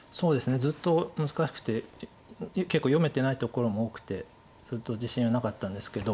ずっと難しくて結構読めてないところも多くてずっと自信はなかったんですけど。